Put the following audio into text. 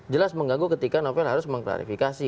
jelas mengganggu ketika novel harus mengklarifikasi